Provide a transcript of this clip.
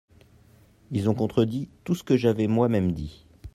Ils ont contredit tout ce que j'avais moi-même dit.